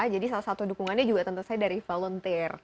jadi salah satu dukungannya juga tentu saja dari volunteer